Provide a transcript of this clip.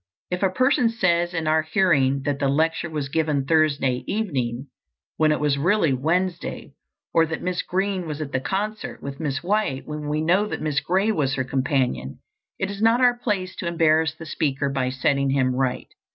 If a person says in our hearing that the lecture was given Thursday evening, when it was really Wednesday, or that Miss Green was at the concert with Miss White when we know that Miss Gray was her companion, it is not our place to embarrass the speaker by setting him right.